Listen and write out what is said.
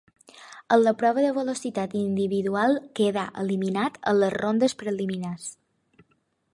En la prova de velocitat individual quedà eliminat en les rondes preliminars.